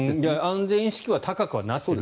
安全意識は高くはなっていると。